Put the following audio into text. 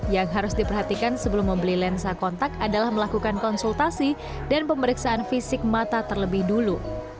yang harus diperhatikan sebelum membeli lensa kontak adalah melakukan konsultasi dan pemeriksaan fisik mata terlebih dulu